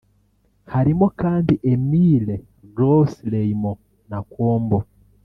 Harimo kandi Emile Gros Raymond Nakombo